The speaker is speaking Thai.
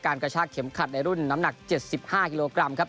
กระชากเข็มขัดในรุ่นน้ำหนัก๗๕กิโลกรัมครับ